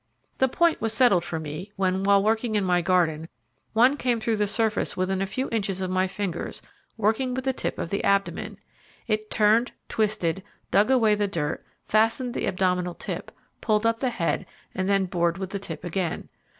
The point was settled for me when, while working in my garden, one came through the surface within a few inches of my fingers, working with the tip of the abdomen. It turned, twisted, dug away the dirt, fastened the abdominal tip, pulled up the head, and then bored with the tip again.